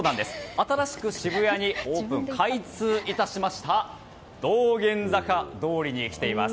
新しく渋谷にオープン開通いたしました道玄坂通に来ています。